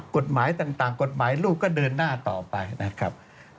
กฎหมายต่างกฎหมายลูกก็เดินหน้าต่อไปนะครับ